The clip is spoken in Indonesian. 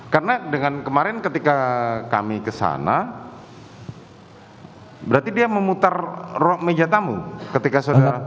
karena dengan kemarin ketika kami kesana berarti dia memutar meja tamu ketika saudara